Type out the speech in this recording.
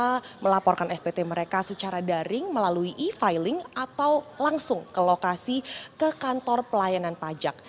dan juga mereka dapat melaporkan spt mereka secara daring melalui e filing atau langsung ke lokasi ke kantor pelayanan pajak